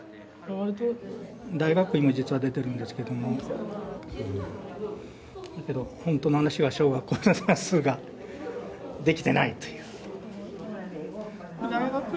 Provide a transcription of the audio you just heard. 大学院を実は出てるんですけどもだけど本当の話は小学校の算数ができてないという。